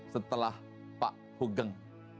setelah pak hugeng